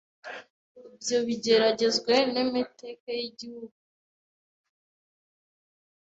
Ibyo bigeregezwe n’emeteke y’Igihugu